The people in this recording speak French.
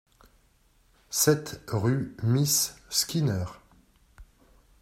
sept rue Miss Skinner